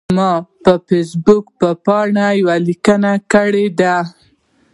ما د فیسبوک په پاڼه یوه لیکنه کړې ده.